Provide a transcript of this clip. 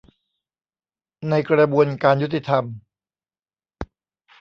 ในกระบวนการยุติธรรม